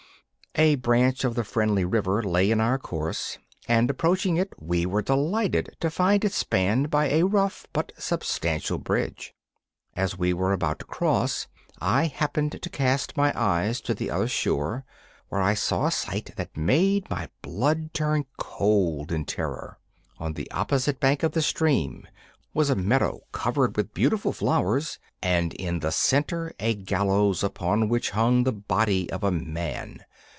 A branch of the friendly river lay in our course, and, approaching it, we were delighted to find it spanned by a rough but substantial bridge. As we were about to cross I happened to cast my eyes to the other shore, where I saw a sight that made my blood turn cold with terror. On the opposite bank of the stream was a meadow, covered with beautiful flowers, and in the centre a gallows upon which hung the body of a man!